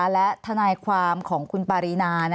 และทนายความของคุณปารีนา